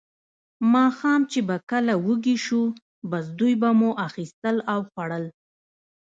ماښام چې به کله وږي شوو، بس دوی به مو اخیستل او خوړل.